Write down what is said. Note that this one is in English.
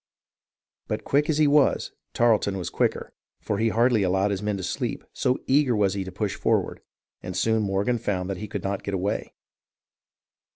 But quick as he was, Tarleton was quicker ; for he hardly allowed his men to sleep, so eager was he to push forward, and soon Morgan found that he could not get away.